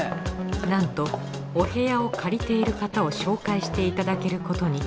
なんとお部屋を借りている方を紹介していただけることに。